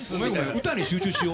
歌に集中しよう？